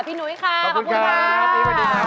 พี่หนุ๊ยค่ะขอบคุณค่ะพี่หนุ๊ยค่ะบ๊ายบายค่ะจริง